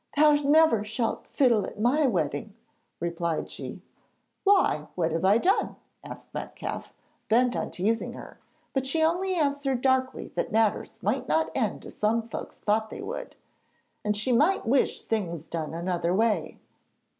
'Thou never shalt fiddle at my wedding,' replied she. 'Why what have I done?' asked Metcalfe, bent on teasing her; but she only answered darkly that matters might not end as some folks thought they would, and she might wish things done another way.